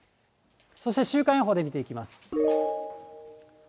そして週間予報で見ていきます。